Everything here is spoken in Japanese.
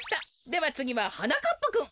ではつぎははなかっぱくん。